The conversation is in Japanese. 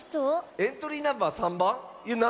エントリーナンバー３ばん？